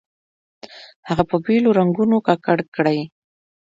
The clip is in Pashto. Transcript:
هغه په بېلو رنګونو ککړ کړئ.